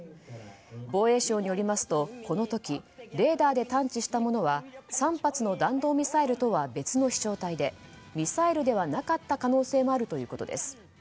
防衛省によりますとこの時レーダーで探知したものは３発の弾道ミサイルとは別の飛翔体でミサイルではなかった可能性もあるということです。